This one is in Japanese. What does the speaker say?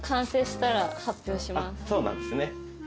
そうなんですね。